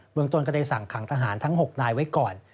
เมืองต้นก็ได้สั่งขังทหารทั้ง๖นายไว้ก่อน